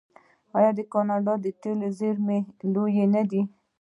آیا د کاناډا د تیلو زیرمې لویې نه دي؟